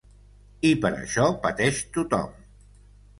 I per això pateix tothom.